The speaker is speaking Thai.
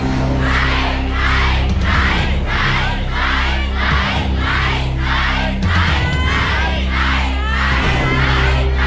ใช้